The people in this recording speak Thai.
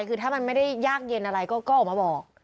คือถ้ามันไม่ได้ยากเย็นอะไรก็ออกมาบอก